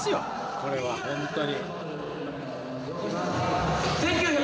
これは本当に。